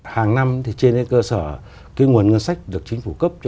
hàng năm thì trên cơ sở nguồn ngân sách được chính phủ cấp